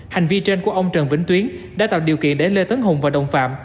hành vi trên của ông trần vĩnh tuyến đã tạo điều kiện để lê tấn hùng và đồng phạm